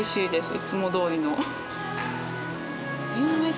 いつもどおりの。